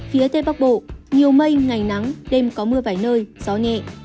phía tây bắc bộ nhiều mây ngày nắng đêm có mưa vài nơi gió nhẹ